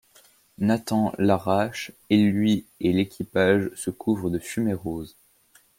Nathan l'arrache, et lui et l'équipage se couvrent de fumée rose.